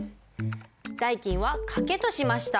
代金は掛けとしました。